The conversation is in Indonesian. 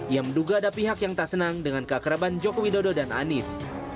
yang menduga ada pihak yang tak senang dengan kekeraban jokowi dodo dan anies